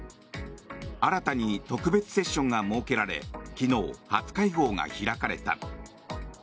新たに特別セッションが設けられ昨日、初会合が開かれた。